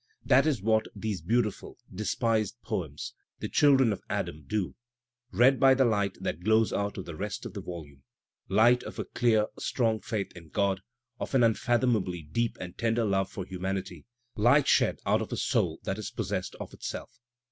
That is what these beautiful, despised poems, *The Children of Adam/ do, read by the light that glows out of the rest of the volume: Ught of a clear, strong faith in God, of an unfathomably deep and tender love for humanity — light shed out of a soul that is * possessed of itself.